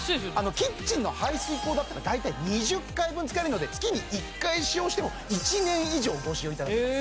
キッチンの排水口だったら大体２０回分使えるので月に１回使用しても１年以上ご使用いただけます